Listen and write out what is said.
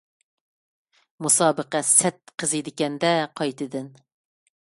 مۇسابىقە سەت قىزىيدىكەن-دە قايتىدىن.